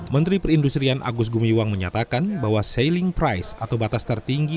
menteri perindustrian agus gumiwang menyatakan bahwa sailing price atau batas tertinggi